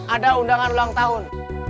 ada undangan ulang tahun